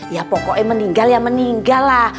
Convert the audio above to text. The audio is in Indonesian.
ya pokoknya meninggal ya meninggal lah